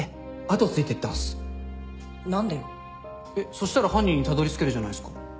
そしたら犯人にたどり着けるじゃないっすか。